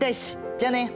じゃあね！